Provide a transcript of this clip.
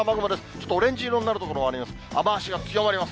ちょっとオレンジ色になる所もあります。